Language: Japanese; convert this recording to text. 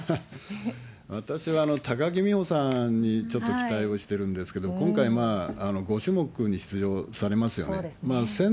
私は高木美帆さんにちょっと期待をしてるんですけど、今回、５種目に出場されますよね。